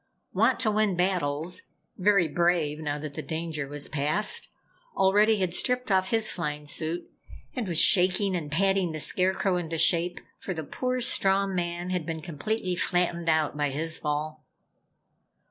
Wantowin Battles, very brave now that the danger was past, already had stripped off his flying suit and was shaking and patting the Scarecrow into shape, for the poor straw man had been completely flattened out by his fall.